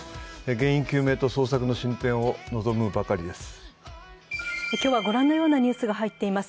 原因の究明と捜索の進展を望むばかりです。